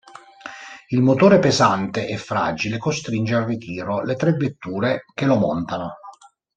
Il motore pesante e fragile costringe al ritiro le tre vetture che lo montano.